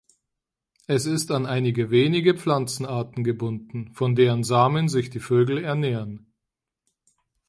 Es ist an einige wenige Pflanzenarten gebunden, von deren Samen sich die Vögel ernähren.